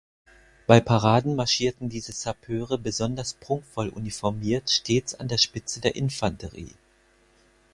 Bei Paraden marschierten diese Sappeure besonders prunkvoll uniformiert stets an der Spitze der Infanterie.